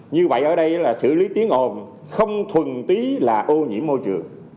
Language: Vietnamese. như vậy ở đây là xử lý tiếng ồn không thuần tí là ô nhiễm môi trường